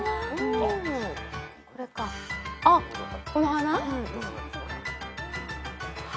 あっこの花。